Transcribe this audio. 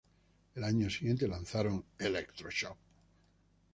Al año siguiente lanzaron "Electroshock".